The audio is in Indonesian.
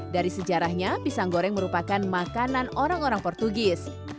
dari sejarahnya pisang goreng merupakan makanan orang orang portugis